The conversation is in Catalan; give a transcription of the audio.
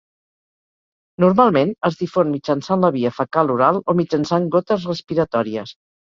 Normalment es difon mitjançant la via fecal-oral o mitjançant gotes respiratòries.